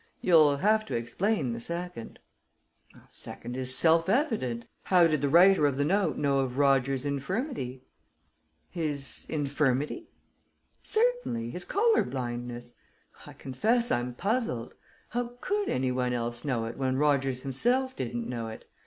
"You'll have to explain the second." "The second is self evident. How did the writer of the note know of Rogers's infirmity?" "His infirmity?" "Certainly his color blindness. I confess, I'm puzzled. How could anyone else know it when Rogers himself didn't know it?